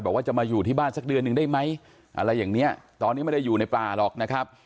บอกว่าจะมาอยู่ที่บ้านสักเดือนหนึ่งได้ไหมอะไรอย่างเนี้ยตอนนี้ไม่ได้อยู่ในป่าหรอกนะครับ